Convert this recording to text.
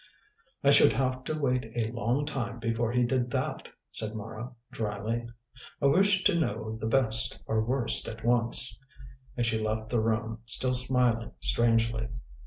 "I should have to wait a long time before he did that," said Mara dryly. "I wish to know the best or worst at once," and she left the room, still smiling strangely.